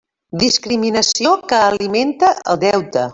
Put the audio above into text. Discriminació que alimenta el deute.